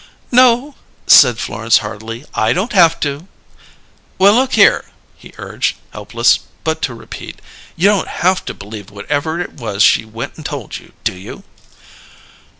"No," said Florence heartily. "I don't haf to." "Well, look here," he urged, helpless but to repeat. "You don't haf to believe whatever it was she went and told you, do you?"